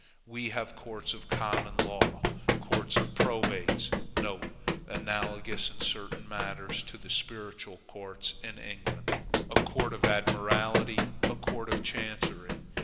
We have courts of common law, courts of probates (analogous in certain matters to the spiritual courts in England), a court of admiralty and a court of chancery.